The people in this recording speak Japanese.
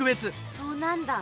そうなんだ。